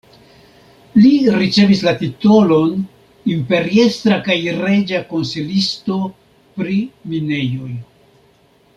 Li ricevis la titolon imperiestra kaj reĝa konsilisto pri minejoj.